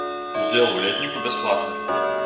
Удзел у летніку бясплатны.